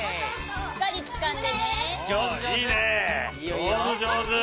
しっかりつかんで。